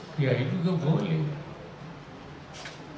saya itu tidak boleh